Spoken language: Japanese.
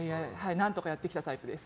何とかやってきたタイプです。